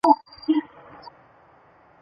第二年全部成为北魏俘虏。